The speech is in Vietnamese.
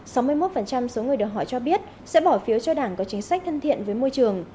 sáu mươi một số người được hỏi cho biết sẽ bỏ phiếu cho đảng có chính sách thân thiện với môi trường